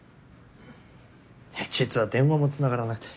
実は電話も繋がらなくて。